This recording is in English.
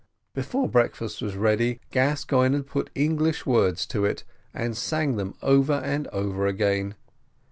Before breakfast was ready, Gascoigne had put English words to it, and sang them over and over again.